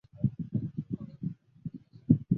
安戈尔桑。